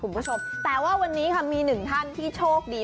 อย่างแรกเลยก็คือการทำบุญเกี่ยวกับเรื่องของพวกการเงินโชคลาภ